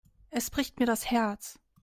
Es bricht mir das Herz.